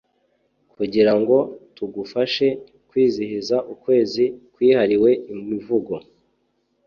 kugirango tugufashe kwizihiza ukwezi kwahariwe imivugo